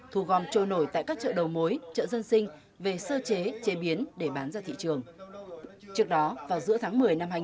thu gom trôi nổi tại các chợ đầu mối chợ dân sinh về sơ chế chế biến để bán ra thị trường